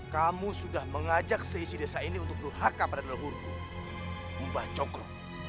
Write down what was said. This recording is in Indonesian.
kamu sudah mengajak seisi desa ini untuk berhak kepada leluhurku mbak joko